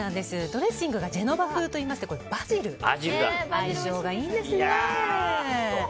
ドレッシングがジェノバ風といいましてバジル、相性がいいんですね。